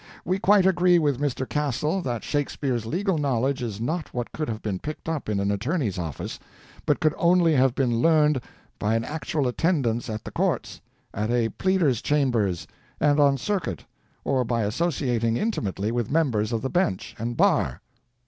We quite agree with Mr. Castle that Shakespeare's legal knowledge is not what could have been picked up in an attorney's office, but could only have been learned by an actual attendance at the Courts, at a Pleader's Chambers, and on circuit, or by associating intimately with members of the Bench and Bar."